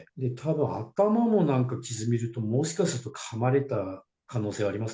たぶん頭もなんか血を見ると、もしかしたらかまれた可能性あります。